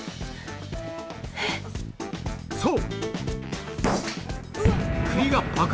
そう！